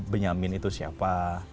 benyamin itu siapa